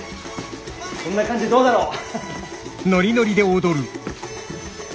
こんな感じでどうだろう？